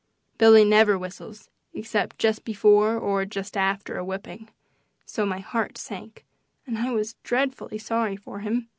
Billy never whistles except just before or just after a whipping, so my heart sank, and I was dreadfully sorry for him.